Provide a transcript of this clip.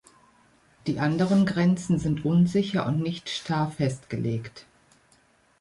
Die anderen Grenzen sind unsicher und nicht starr festgelegt.